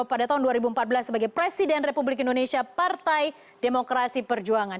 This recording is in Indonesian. pada tahun dua ribu empat belas sebagai presiden republik indonesia partai demokrasi perjuangan